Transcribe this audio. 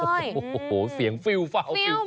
โอ้โฮเสียงฟิล์มฟาวฟิล์มฟาว